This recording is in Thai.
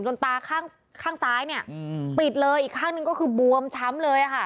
ตาข้างข้างซ้ายเนี่ยปิดเลยอีกข้างหนึ่งก็คือบวมช้ำเลยค่ะ